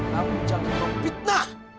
kamu jangan lupa fitnah